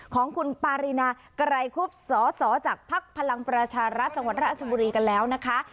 ของคุณปารีนาไกรคุบสสจากภักดิ์พลังประชารัฐจังหวัดราชบุรีกันแล้วนะคะ